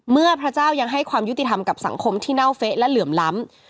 พระเจ้ายังให้ความยุติธรรมกับสังคมที่เน่าเฟะและเหลื่อมล้ำ